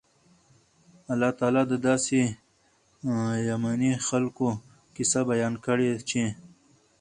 الله تعالی د داسي يَمَني خلکو قيصه بیانه کړي چې